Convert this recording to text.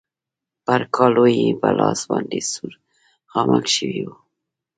پر کالو يې په لاس باندې سور خامک شوی و.